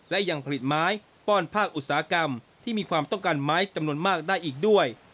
และยังผลิตไม้ป้อนภาคอุตสาหกรรมที่มีความต้องการไม้จำนวนมากได้อีกด้วย